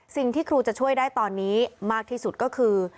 สิ่งที่ครูจะช่วยได้ตอนนี้มากที่สุดก็คือ